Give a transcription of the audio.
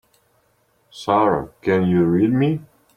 Sara can you read me?